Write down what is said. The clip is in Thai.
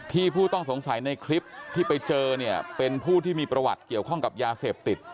ผู้ต้องสงสัยในคลิปที่ไปเจอเนี่ยเป็นผู้ที่มีประวัติเกี่ยวข้องกับยาเสพติด